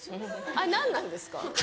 あれ何なんですか？